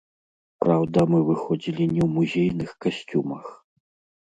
Праўда, мы выходзілі не ў музейных касцюмах.